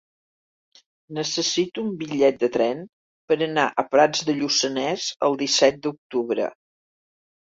Necessito un bitllet de tren per anar a Prats de Lluçanès el disset d'octubre.